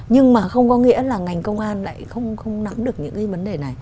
nhưng mà không có nghĩa là ngành công an lại không nắm được những cái vấn đề này